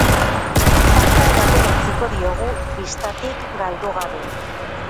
Fanta edaten utziko diogu, bistatik galdu gabe.